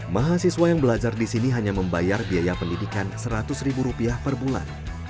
mahasiswa yang belajar di sini hanya membayar biaya pendidikan seratus ribu rupiah per bulan